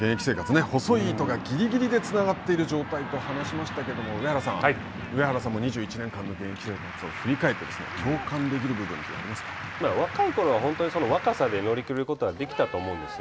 細い糸がぎりぎりでつながっている状態と話しましたけれども上原さんも２１年間の現役生活を振り返って若いころは本当に若さで乗り切ることはできたと思うんですよ。